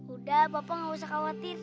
udah bapak gak usah khawatir